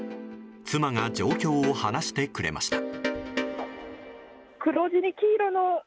妻が状況を話してくれました。